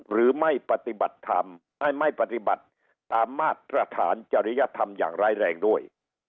หรือไม่ปฏิบัติธรรมให้ไม่ปฏิบัติตามมาตรฐานจริยธรรมอย่างร้ายแรงด้วย